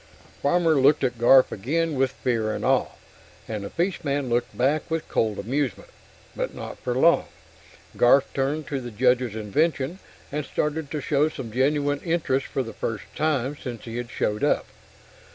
Farmer looked at Garf again with fear and awe, and the fishman looked back with cold amusement. But not for long. Garf turned to the Judge's invention and started to show some genuine interest for the first time since he had showed up.